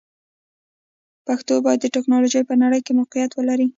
پښتو باید د ټکنالوژۍ په نړۍ کې موقعیت ولري.